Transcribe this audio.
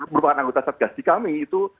merupakan anggota satgas di kami itu